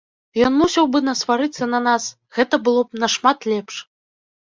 Ён мусіў бы насварыцца на нас, гэта было б нашмат лепш!